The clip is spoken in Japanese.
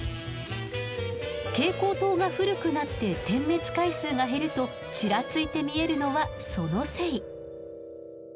蛍光灯が古くなって点滅回数が減るとチラついて見えるのはそのせい。